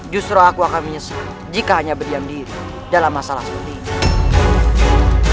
justru aku akan menyesuai jika hanya berdiam diri dalam masalah seperti ini